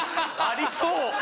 ありそう！